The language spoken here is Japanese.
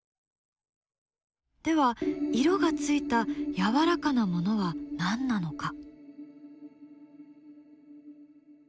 では色がついたやわらかなものは何なのか？